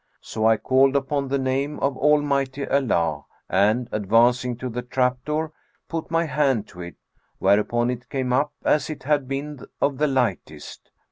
So I called upon the name of Almighty Allah and, advancing to the trap door, put my hand to it; whereupon it came up as it had been of the lightest.